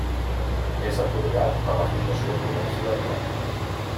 És atorgat per la Fundació Prudenci Bertrana.